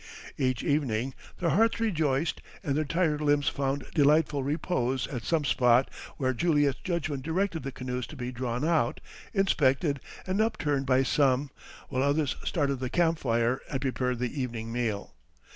Each evening their hearts rejoiced and their tired limbs found delightful repose at some spot where Joliet's judgment directed the canoes to be drawn out, inspected, and upturned by some, while others started the camp fire and prepared the evening meal.